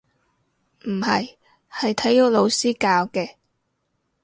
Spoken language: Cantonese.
唔係，係體育老師教嘅